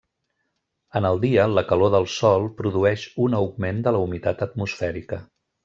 En el dia, la calor del sol produeix un augment de la humitat atmosfèrica.